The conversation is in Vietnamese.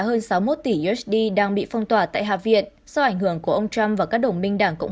hơn sáu mươi một tỷ usd đang bị phong tỏa tại hạ viện do ảnh hưởng của ông trump và các đồng minh đảng cộng